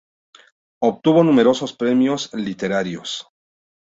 Obtuvo numerosos premios literarios.